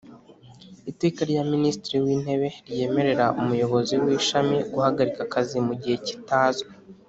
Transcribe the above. Iteka rya Minisitiri w Intebe ryemerera umuyobozi w ishami guhagarika akazi mu gihe kitazwi